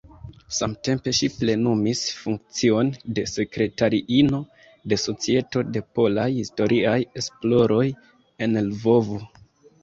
Samtempe ŝi plenumis funkcion de sekretariino de Societo de Polaj Historiaj Esploroj en Lvovo.